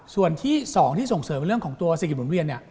ส่วนที่๒ที่ส่งเสริมเรื่องของตัวเศรษฐกิจหมุนเวียน